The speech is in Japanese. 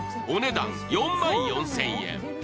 お値段４万４０００円。